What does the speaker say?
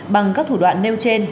bằng các thủ đoạn nêu trên